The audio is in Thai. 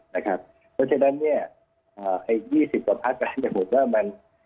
เพราะฉะนั้น๒๐ประภาษาการจะหมดว่า